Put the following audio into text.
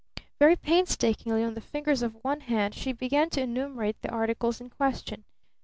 Very painstakingly on the fingers of one hand she began to enumerate the articles in question.